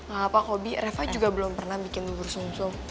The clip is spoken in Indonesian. gak apa kobi reva juga belum pernah bikin bubur sum sum